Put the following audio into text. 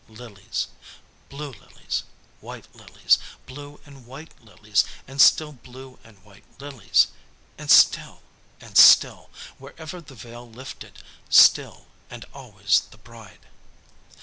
Lilies! Blue lilies! White lilies! Blue and white lilies! And still blue and white lilies! And still! And still! Wherever the veil lifted, still and always the bride!